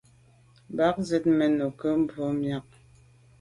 Mba zit mèn no nke mbù’ miag mi.